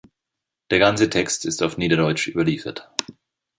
Der ganze Text ist auf Niederdeutsch überliefert.